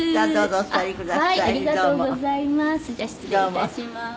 じゃあ失礼致しまーす。